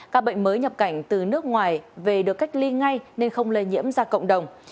các bệnh mới nhập cảnh từ nước ngoài về được cách ly ngay nên không lây nhiễm ra cộng đồng